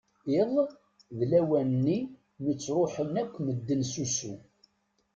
Iḍ, d lawan-nni mi ttruḥen akk medden s usu.